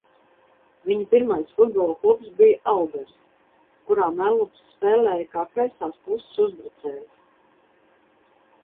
Viņa pirmais futbola klubs bija Aldaris, kurā Mellups spēlēja kā kreisās puses uzbrucējs.